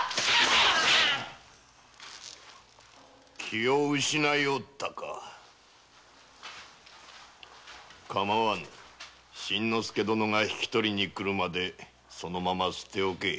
気を失ったか真之介殿が引き取りに来るまでそのまま捨ておけ！